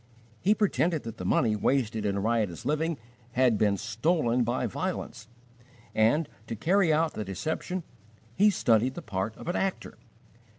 He pretended that the money wasted in riotous living had been stolen by violence, and, to carry out the deception he studied the part of an actor.